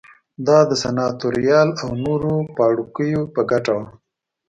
دا د سناتوریال او نورو پاړوکیو په ګټه وه